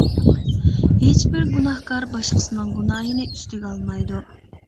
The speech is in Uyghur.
ھېچبىر گۇناھكار باشقىسىنىڭ گۇناھىنى ئۈستىگە ئالمايدۇ.